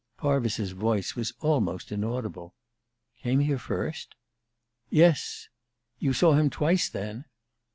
Parvis's voice was almost inaudible. "Came here first?" "Yes." "You saw him twice, then?"